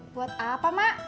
buat apa mak